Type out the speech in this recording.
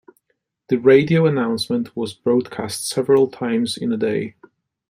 The radio announcement was broadcast several times in a day.